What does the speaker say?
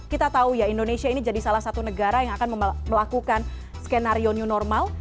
kita tahu ya indonesia ini jadi salah satu negara yang akan melakukan skenario new normal